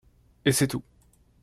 Et c'est tout